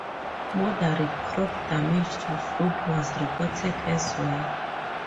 Moderate crop damage to fruit was reported as well.